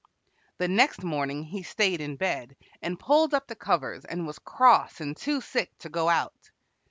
The next morning he stayed in bed, and pulled up the covers and was cross and too sick to go out.